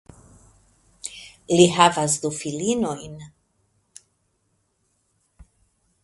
Li havas du filinojn.